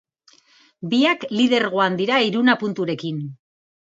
Biak lidergoan dira hiruna punturekin.